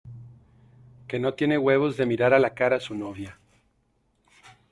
que no tiene huevos de mirar a la cara a su novia